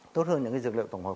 tốt hơn những dược liệu tổng hợp